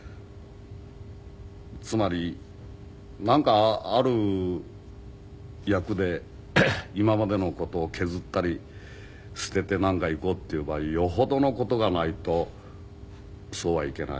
つまりなんかある役で今までの事を削ったり捨ててなんかいこうっていう場合余程の事がないとそうはいけない。